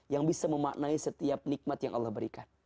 yang bisa memaknai setiap nikmat yang allah berikan